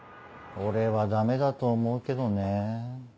俺はダメだと思うけどね。